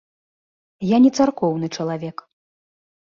Я не царкоўны чалавек.